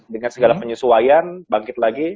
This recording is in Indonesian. dengan segala penyesuaian bangkit lagi